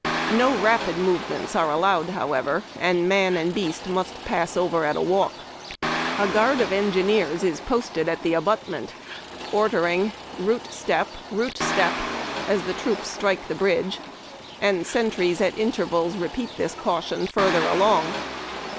No rapid movements are allowed, however, and man and beast must pass over at a walk. A guard of the engineers is posted at the abutment, order ing " Route step !"'" Route step !"" as the troops strike the bridge, and sentries, at intervals, repeat the caution further along.